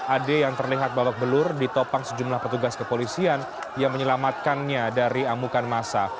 ade yang terlihat babak belur ditopang sejumlah petugas kepolisian yang menyelamatkannya dari amukan masa